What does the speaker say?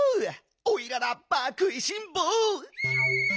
おいらラッパーくいしんぼう！